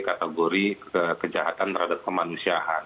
kategori kejahatan terhadap kemanusiaan